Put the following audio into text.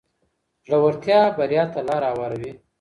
زړورتیا بریا ته لاره هواروي.